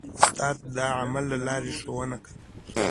استاد د عمل له لارې ښوونه کوي.